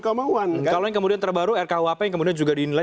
kalau yang kemudian terbaru rkuhp yang kemudian juga dinilai